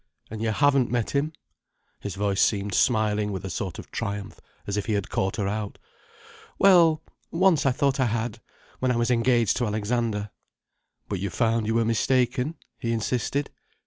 And you haven't met him?" His voice seemed smiling with a sort of triumph, as if he had caught her out. "Well—once I thought I had—when I was engaged to Alexander." "But you found you were mistaken?" he insisted.